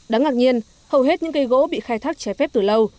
đáng ngạc nhiên hầu hết những cây gỗ bị khai thác trái phép từ lâu